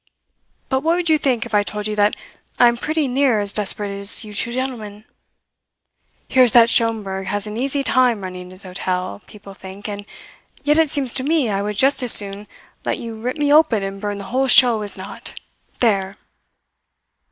But what would you think if I told you that I am pretty near as desperate as you two gentlemen? 'Here's that Schomberg has an easy time running his hotel,' people think; and yet it seems to me I would just as soon let you rip me open and burn the whole show as not. There!"